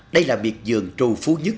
đây là biệt dường trù phú nhất